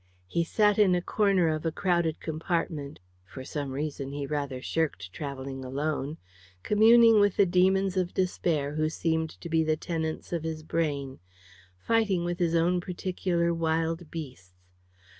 He sat in a corner of a crowded compartment for some reason he rather shirked travelling alone communing with the demons of despair who seemed to be the tenants of his brain; fighting with his own particular wild beasts.